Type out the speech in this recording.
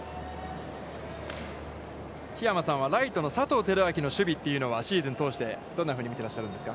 桧山さんはライトの佐藤輝明の守備というのは、シーズン通してどんなふうに見ていらっしゃるんですか。